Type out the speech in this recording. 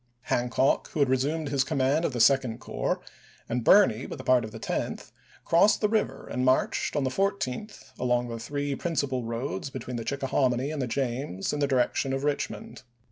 Hancock, who had resumed command of the Second Corps, and Birney, with a part of the Tenth, crossed the river and marched, on the 14th, along the three principal roads between the Chickahominy and the James, in the direction of Richmond.